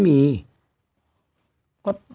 เที้ยงเตือนหมายถึงว่า